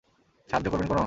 সাহায্য করবেন কোনও?